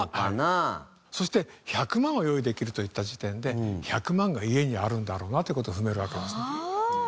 そして１００万は用意できると言った時点で１００万が家にあるんだろうなという事を踏めるわけですね。